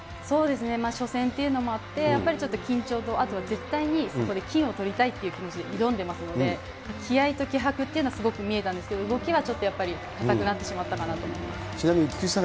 そうですね、初戦っていうのもあって、やっぱりちょっと緊張もあって、あと絶対にそこで金をとりたいっていう気持ちで挑んでますので、気合いと気迫というのがすごく見えたんですけれども、動きはちょっと硬くなってしまったかなと思います。